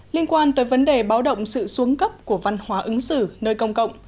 liên quan tới vấn đề báo động sự xuống cấp của văn hóa ứng xử nơi công cộng